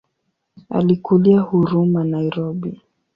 Alikulia Huruma Nairobi.